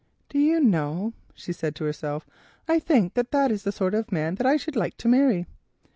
"Do you know," she said to herself, "I think that is the sort of man I should like to marry.